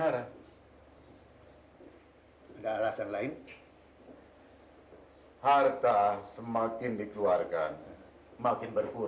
hai harta semakin dikeluarkan makin berkurang sedangkan ilmu makin dikeluarkan makin bertambah